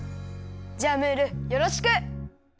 じゃあムールよろしく！